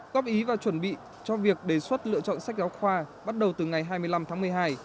góp ý và chuẩn bị cho việc đề xuất lựa chọn sách giáo khoa bắt đầu từ ngày hai mươi năm tháng một mươi hai